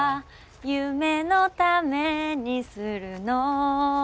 「夢のためにするの」